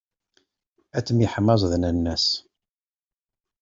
Ad temyeḥmaẓ d nanna-s.